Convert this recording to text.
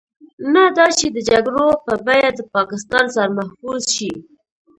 نه دا چې د جګړو په بيه د پاکستان سر محفوظ شي.